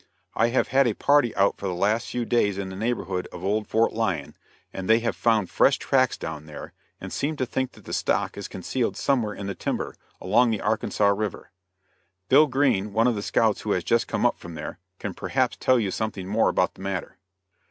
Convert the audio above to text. I have had a party out for the last few days in the neighborhood of old Fort Lyon, and they have found fresh tracks down there and seem to think that the stock is concealed somewhere in the timber, along the Arkansas river. Bill Green, one of the scouts who has just come up from there, can perhaps tell you something more about the matter."